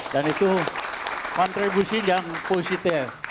dan itu kontribusi yang positif